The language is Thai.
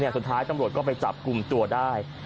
สุดท้ายตำรวจก็ไปจับกลุ่มตัวได้